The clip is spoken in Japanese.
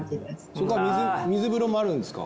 そこは水風呂もあるんですか？